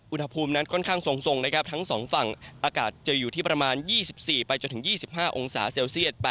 อุณหภูมินั้นค่อนข้างทรงนะครับทั้งสองฝั่งอากาศจะอยู่ที่ประมาณ๒๔ไปจนถึง๒๕องศาเซลเซียต